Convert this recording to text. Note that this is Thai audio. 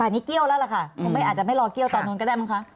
นี่เกี้ยวแล้วล่ะค่ะอาจจะไม่รอเกี้ยวตอนนู้นก็ได้มั้งคะ